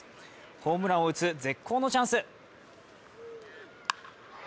ホームランを打つ絶好のチャンス。